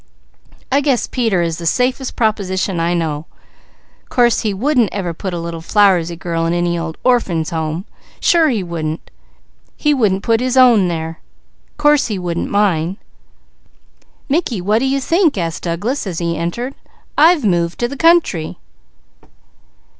I guess Peter is the safest proposition I know. Course he wouldn't ever put a little flowersy girl in any old Orphings' Home. Sure he wouldn't! He wouldn't put his own there, course he wouldn't mine!" "Mickey, what do you think?" asked Douglas as he entered. "I've moved to the country!"